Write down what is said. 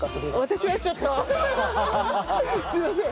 すいません。